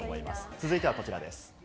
続いてはこちらです。